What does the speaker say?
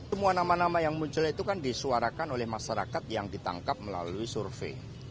semua nama nama yang muncul itu kan disuarakan oleh masyarakat yang ditangkap melalui survei